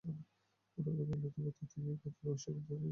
অন্যান্য বিপ্লবীদের মত তিনিও গান্ধীর অহিংস আন্দোলনে বিশ্বাস করতেন না।